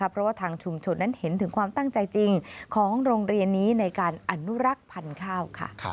เพราะว่าทางชุมชนนั้นเห็นถึงความตั้งใจจริงของโรงเรียนนี้ในการอนุรักษ์พันธุ์ข้าวค่ะ